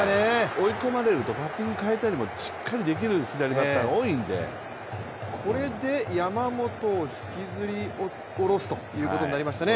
追い込まれるとバッティングを変えたりもしっかりできるこれで山本を引きずり下ろすということになりましたね。